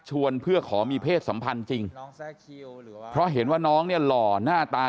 เพื่อขอมีเพศสัมพันธ์จริงเพราะเห็นว่าน้องเนี่ยหล่อหน้าตา